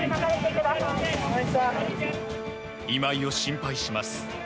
今井を心配します。